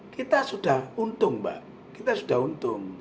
kita sudah untung mbak kita sudah untung